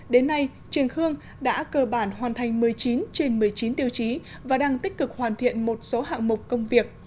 đến nay trường khương đã cơ bản hoàn thành một mươi chín trên một mươi chín tiêu chí và đang tích cực hoàn thiện một số hạng mục công việc